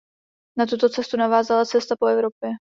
Na tuto cestu navázala cesta po Evropě.